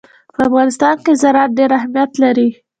په افغانستان کې زراعت ډېر اهمیت لري.